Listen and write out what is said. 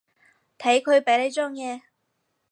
睇佢畀你張嘢